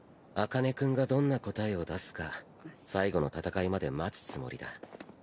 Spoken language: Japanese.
茜君がどんな答えを出すか最後の戦いまで待つつもりだ。